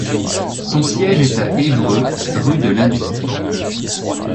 Son siège est à Évreux rue de l'Industrie.